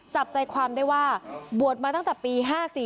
จับใจความได้ว่าบวชมาตั้งแต่ปี๕๔